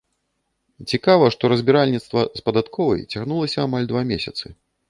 Цікава, што разбіральніцтва з падатковай цягнулася амаль два месяцы.